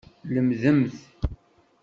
Lemdemt!